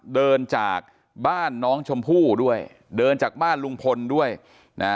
เดินจากบ้านน้องชมพู่ด้วยเดินจากบ้านลุงพลด้วยนะ